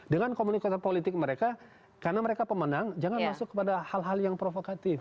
dengan komunikator politik mereka karena mereka pemenang jangan masuk kepada hal hal yang provokatif